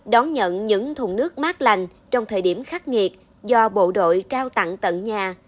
đón nhận những thùng nước mát lành trong thời điểm khắc nghiệt do bộ đội trao tặng tận nhà